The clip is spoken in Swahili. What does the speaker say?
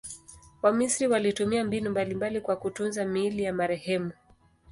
Wamisri walitumia mbinu mbalimbali kwa kutunza miili ya marehemu.